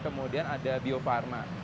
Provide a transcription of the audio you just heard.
kemudian ada bio farma